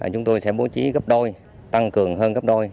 chúng tôi sẽ bố trí gấp đôi tăng cường hơn gấp đôi